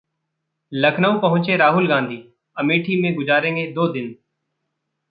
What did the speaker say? लखनऊ पहुंचे राहुल गांधी, अमेठी में गुजारेंगे दो दिन